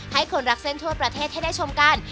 ให้คนรักเส้นทั่วประเทศให้ได้ชมกัน